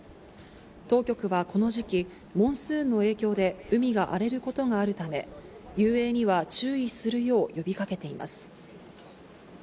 当局はこの時期、モンスーンの影響で、海が荒れることがあるため、遊泳には注意するよう呼びかけています。